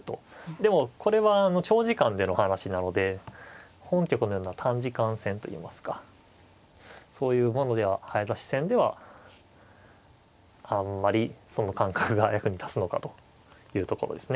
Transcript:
でもこれは長時間での話なので本局のような短時間戦といいますかそういうものでは早指し戦ではあんまりその感覚が役に立つのかというところですね。